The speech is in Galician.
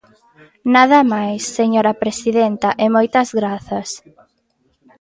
Nada máis, señora presidenta, e moitas grazas.